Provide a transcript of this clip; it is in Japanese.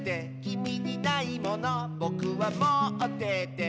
「きみにないものぼくはもってて」